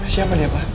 siapa dia pa